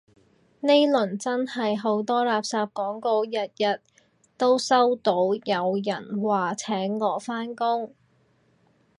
呢輪真係好多垃圾廣告，日日都收到有人話請我返工